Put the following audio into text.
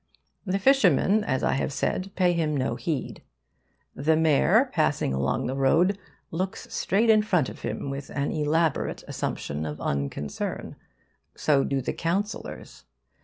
The fishermen, as I have said, pay him no heed. The mayor, passing along the road, looks straight in front of him, with an elaborate assumption of unconcern. So do the councillors.